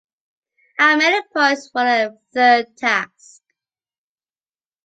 How many points for the third task?